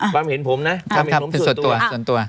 ความเห็นผมนะความเห็นผมส่วนตัว